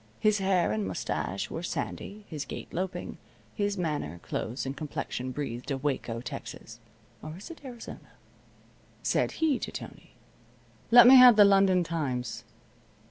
His hair and mustache were sandy, his gait loping. His manner, clothes, and complexion breathed of Waco, Texas (or is it Arizona?) Said he to Tony: "Let me have the London Times."